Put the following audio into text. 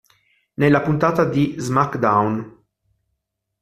Nella puntata di "SmackDown!